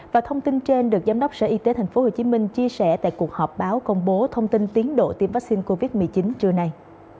và thông tin trên được giám đốc sở y tế tp hcm chia sẻ tại cuộc họp báo công bố thông tin tiến độ tiêm vaccine covid một mươi chín trưa nay